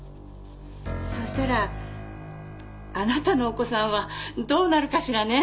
そしたらあなたのお子さんはどうなるかしらね？